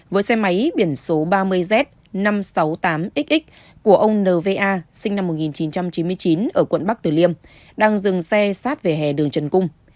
với xe máy biển số ba mươi z năm trăm sáu mươi tám xx của ông nva sinh năm một nghìn chín trăm chín mươi chín ở quận bắc tử liêm đang dừng xe sát về hè đường trần cung